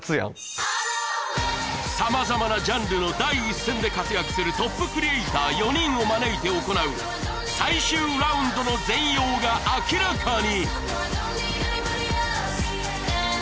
様々なジャンルの第一線で活躍するトップクリエイター４人を招いて行う最終ラウンドの全容が明らかに！